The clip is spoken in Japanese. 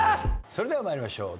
それでは参りましょう。